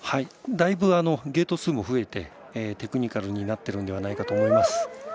だいぶゲート数も増えてテクニカルになっているのではないかと思います。